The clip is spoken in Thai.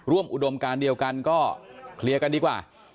อุดมการเดียวกันก็เคลียร์กันดีกว่า